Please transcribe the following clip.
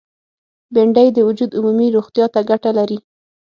بېنډۍ د وجود عمومي روغتیا ته ګټه لري